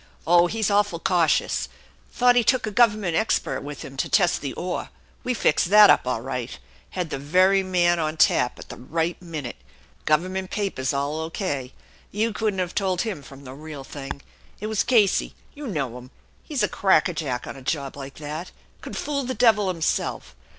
Oh, he's awful cautious ! Thought he took a government expert with him to test the ore. We fixed that up all right had the very man on tap at the right minute, government papers all 0. K. you couldn't have told 'em from the real thing. It was Casey; you know him; he's a cracker jack on a job like that, could fool the devil himself.